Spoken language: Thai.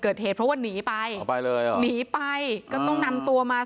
เกิดเหตุเพราะว่าหนีไปออกไปเลยเหรอหนีไปก็ต้องนำตัวมา